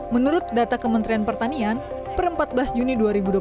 menurut data kementerian pertanian per empat belas juni dua ribu dua puluh satu